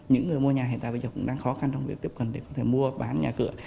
những người mua nhà hiện tại bây giờ cũng đang khó khăn trong việc tiếp cận để có thể mua bán nhà cửa